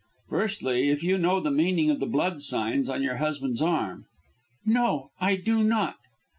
"Firstly, if you know the meaning of the blood signs on your husband's arm?" "No! I do not."